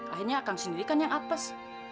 akhirnya kang sendiri kan yang apes